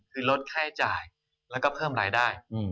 คือลดค่าใช้จ่ายแล้วก็เพิ่มรายได้